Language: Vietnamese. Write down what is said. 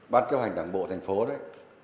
ban chấp hành đảng bộ thành phố đấy